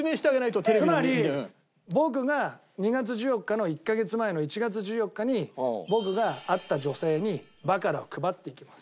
つまり僕が２月１４日の１カ月前の１月１４日に僕が会った女性にバカラを配っていきます。